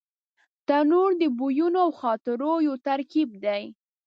تنور د بویونو او خاطرو یو ترکیب دی